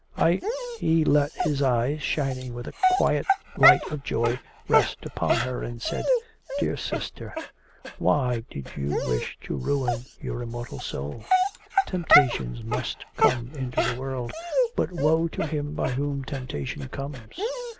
I...' He let his eyes, shining with a quiet light of joy, rest upon her, and said: 'Dear sister, why did you wish to ruin your immortal soul? Temptations must come into the world, but woe to him by whom temptation comes.